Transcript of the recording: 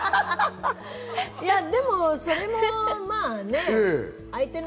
徹さん、でも、それもまあね。